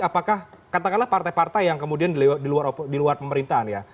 apakah katakanlah partai partai yang kemudian di luar pemerintahan ya